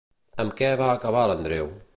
Amb què va acabar l'Andreu?